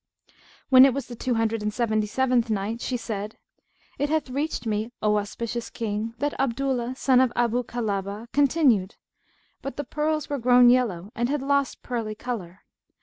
When it was the Two Hundred and Seventy seventh Night, She said, It hath reached me, O auspicious King, that Abdullah son of Abu Kilabah continued, "But the pearls were grown yellow and had lost pearly colour.